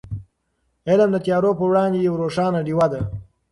علم د تیارو په وړاندې یوه روښانه ډېوه ده.